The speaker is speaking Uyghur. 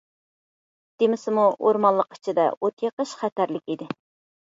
دېمىسىمۇ ئورمانلىق ئىچىدە ئوت يېقىش خەتەرلىك ئىدى.